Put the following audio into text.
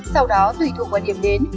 sau đó tùy thuộc vào điểm đến